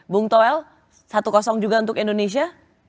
dan soel satu juga untuk indonesia